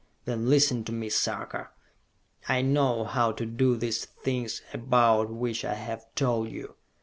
Then listen to me, Sarka! I know how to do this thing about which I have told you.